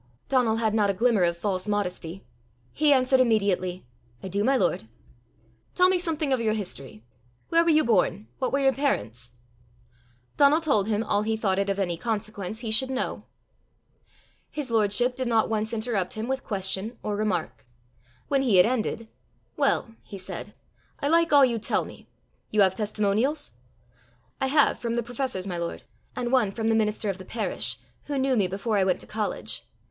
Donal had not a glimmer of false modesty; he answered immediately, "I do, my lord." "Tell me something of your history: where were you born? what were your parents?" Donal told him all he thought it of any consequence he should know. His lordship did not once interrupt him with question or remark. When he had ended "Well," he said, "I like all you tell me. You have testimonials?" "I have from the professors, my lord, and one from the minister of the parish, who knew me before I went to college.